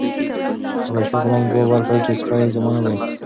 حبشي غلام ځواب ورکړ چې سپی زما نه دی.